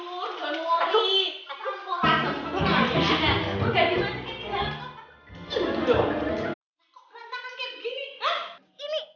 makanan berantakan kayak gini